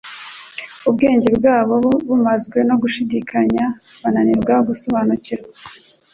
Ubwenge bwabo bumazwe no gushidikanya bananirwa gusobanukirwa